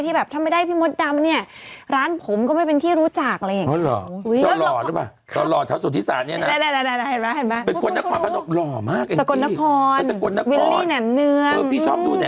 ที่แบบถ้าไม่ได้พี่มดดำเนี่ยร้านผมก็ไม่เป็นที่รู้จักเลย